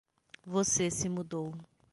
Você se mudou